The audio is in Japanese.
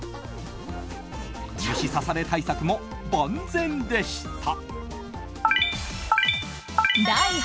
虫刺され対策も万全でした。